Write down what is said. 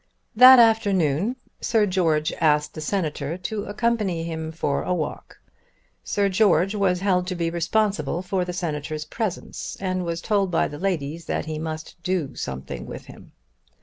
That afternoon Sir George asked the Senator to accompany him for a walk. Sir George was held to be responsible for the Senator's presence, and was told by the ladies that he must do something with him.